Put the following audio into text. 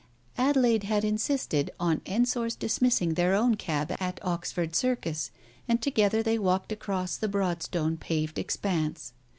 Adelaide had insisted on Ensor's dismiss ing their own cab at Oxford Circus, and together they walked across the broad stone paved expanse.